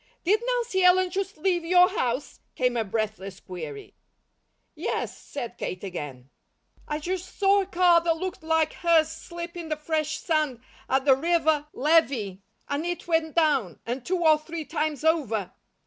"Did Nancy Ellen just leave your house?" came a breathless query. "Yes," said Kate again. "I just saw a car that looked like hers slip in the fresh sand at the river levee, and it went down, and two or three times over."